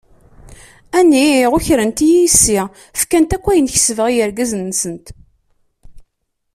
A niɣ ukrent-iyi yessi, fkant ayen akk kesbeɣ i yergazen-nsent.